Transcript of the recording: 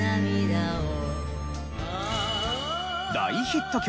大ヒット曲